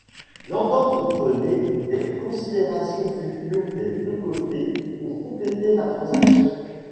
L'entente comprenait des considérations futures des deux côtés pour compléter la transaction.